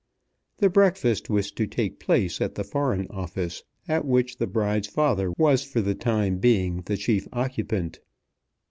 The breakfast was to take place at the Foreign Office, at which the bride's father was for the time being the chief occupant.